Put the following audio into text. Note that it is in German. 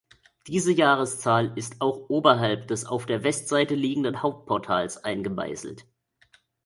Diese Jahreszahl ist auch oberhalb des auf der Westseite liegenden Hauptportals eingemeißelt.